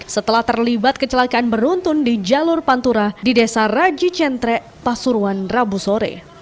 setelah terlibat kecelakaan beruntun di jalur pantura di desa raji centre pasuruan rabu sore